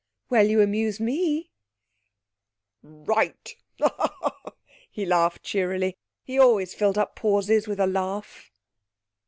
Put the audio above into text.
'Well, you amuse me!' 'Right!' He laughed cheerily. He always filled up pauses with a laugh.